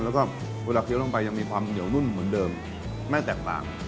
แล้วก็เวลาเคี้ยวลงไปยังมีความเหนียวนุ่มเหมือนเดิมไม่แตกต่าง